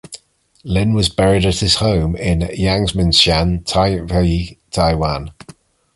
Lin was buried at his home in Yangmingshan, Taipei, Taiwan.